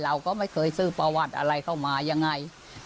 เราก็ไม่เคยซื้อประวัติอะไรเข้ามายังไง